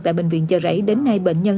tại bệnh viện chợ rẫy đến nay bệnh nhân